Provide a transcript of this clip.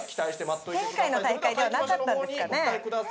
前回の大会ではなかったんですかね？